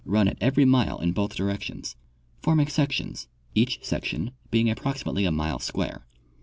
run at every mile in both directions, forming sec tions, each section being approximately a mile square.